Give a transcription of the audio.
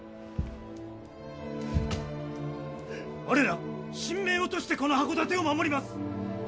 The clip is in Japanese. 我ら身命を賭してこの箱館を守ります。